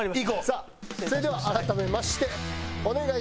さあそれでは改めましてお願いします。